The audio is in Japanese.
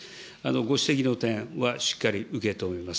ご指摘の点はしっかり受け止めます。